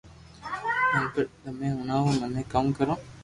ھي پر تمي ھڻاوُ مني ڪاو ڪرو